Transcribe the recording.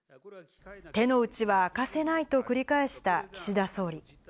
手の内は明かせないと繰り返した岸田総理。